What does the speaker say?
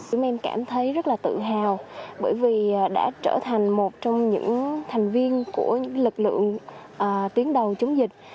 chúng em cảm thấy rất là tự hào bởi vì đã trở thành một trong những thành viên của những lực lượng tuyến đầu chống dịch